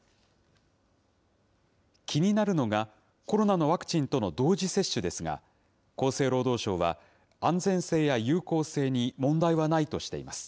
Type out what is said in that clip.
気になるのが、コロナのワクチンとの同時接種ですが、厚生労働省は、安全性や有効性に問題はないとしています。